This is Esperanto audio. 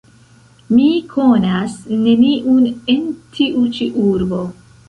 Mi konas neniun en tiu ĉi urbo.